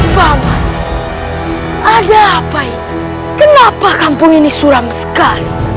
ada apa ini kenapa kampung ini suram sekali